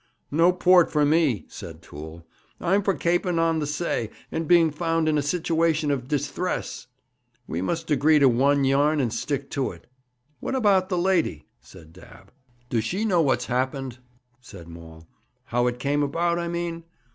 'No port for me!' said Toole. 'I'm for kaping on the say, and being found in a situation of disthress.' 'We must agree to one yarn, and stick to it. What about the lady?' said Dabb. 'Do she know what's happened?' said Maul. 'How it came about, I mean?